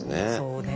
そうね。